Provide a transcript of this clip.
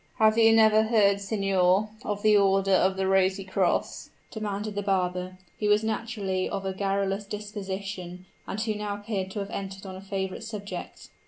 "Have you never heard, signor, of the Order of the Rosy Cross?" demanded the barber, who was naturally of a garrulous disposition, and who now appeared to have entered on a favorite subject.